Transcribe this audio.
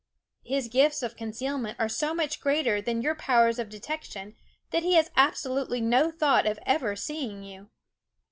His gifts of concealment are so much greater than your powers of detection that he has absolutely no thought of ever see ing you.